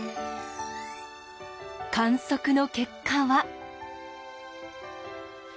観測の結果は。